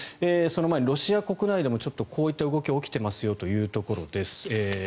その前にロシア国内でもこういった動きが起きていますよというところです。